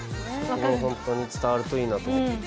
そこが本当に伝わるといいなと思って。